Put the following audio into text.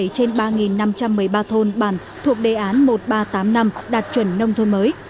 ba trăm ba mươi bảy trên ba năm trăm một mươi ba thôn bản thuộc đề án một nghìn ba trăm tám mươi năm đạt chuẩn nông thôn mới